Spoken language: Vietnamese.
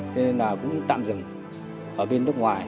thế nên cũng tạm dừng ở bên nước ngoài